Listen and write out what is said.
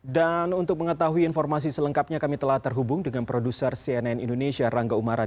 dan untuk mengetahui informasi selengkapnya kami telah terhubung dengan produser cnn indonesia rangga umaradipo